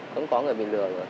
cũng có người bị lừa rồi